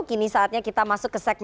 kini saatnya kita masuk ke segmen